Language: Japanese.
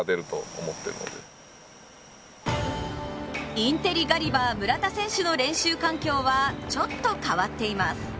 インテリガリバー・村田選手の練習環境はちょっと変わっています。